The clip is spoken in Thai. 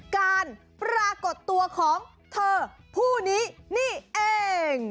การปรากฏตัวของเธอผู้นี้นี่เอง